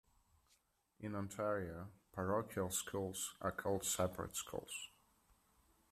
In Ontario, parochial schools are called separate schools.